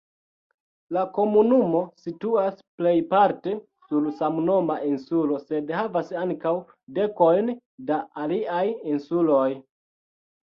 La komunumo situas plejparte sur samnoma insulo, sed havas ankaŭ dekojn da aliaj insuloj.